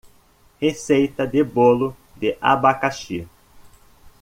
Receita de bolo de abacaxi.